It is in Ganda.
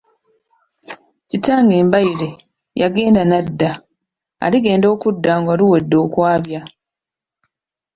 Kitange Mbaire, yagenda ng’anadda, aligenda okudda nga luwedde okwabya.